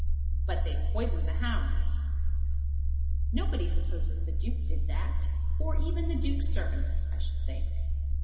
"But they poisoned the hounds." "Nobody supposes the Duke did that, or even the Duke's servants, I should think.